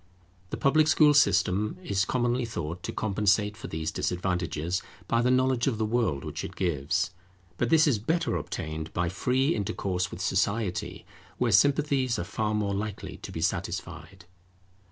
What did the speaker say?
The public school system is commonly thought to compensate for these disadvantages, by the knowledge of the world which it gives; but this is better obtained by free intercourse with society, where sympathies are far more likely to be satisfied.